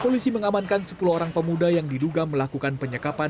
polisi mengamankan sepuluh orang pemuda yang diduga melakukan penyekapan